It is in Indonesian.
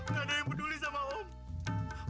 gak ada yang peduli sama om